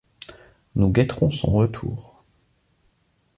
Nous guetterons son retour.